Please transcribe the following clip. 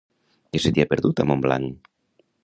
Què se t'hi ha perdut, a Montblanc?